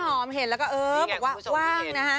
คุณต้นหอมเห็นแล้วก็เออบอกว่าว่าว่าว่างนะคะ